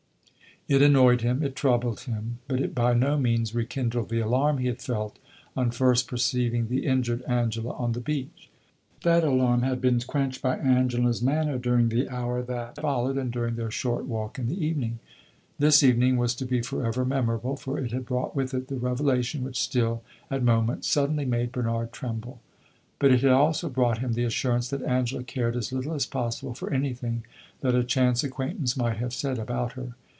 It annoyed him, it troubled him, but it by no means rekindled the alarm he had felt on first perceiving the injured Angela on the beach. That alarm had been quenched by Angela's manner during the hour that followed and during their short talk in the evening. This evening was to be forever memorable, for it had brought with it the revelation which still, at moments, suddenly made Bernard tremble; but it had also brought him the assurance that Angela cared as little as possible for anything that a chance acquaintance might have said about her.